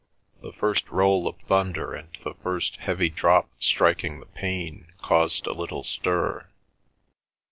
The first roll of thunder and the first heavy drop striking the pane caused a little stir.